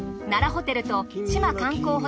奈良ホテルと志摩観光